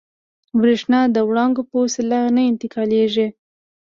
برېښنا د وړانګو په وسیله نه انتقالېږي.